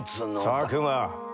佐久間。